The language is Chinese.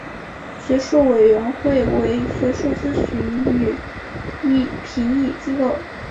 学术委员会为学术咨询与评议机构。